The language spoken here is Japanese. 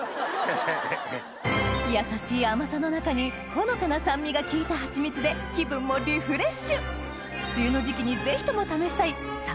優しい甘さの中にほのかな酸味が利いたハチミツで気分もリフレッシュ！を堪能しよう